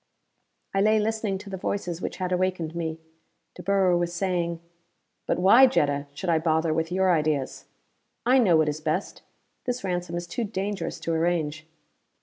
I lay listening to the voices which had awakened me. De Boer was saying: "But why, Jetta, should I bother with your ideas? I know what is best. This ransom is too dangerous to arrange."